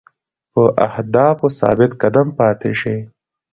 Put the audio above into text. په اهدافو ثابت قدم پاتې شئ.